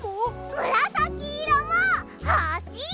むらさきいろもほしい！